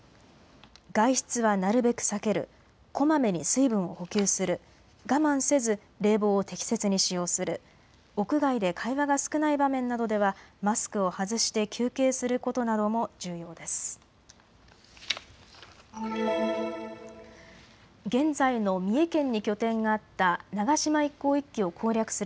外出はなるべく避ける、こまめに水分を補給する、我慢せず冷房を適切に使用する、屋外で会話が少ない場面などではマスクを外して休憩することなども重要です。